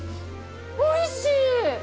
おいしい！